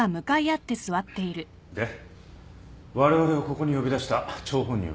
でわれわれをここに呼び出した張本人は？